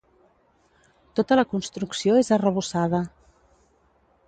Tota la construcció és arrebossada.